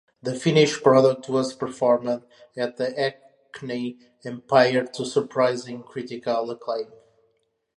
The finished product was performed at the Hackney Empire to surprising critical acclaim.